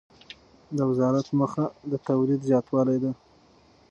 د وزارت موخه د تولید زیاتوالی دی.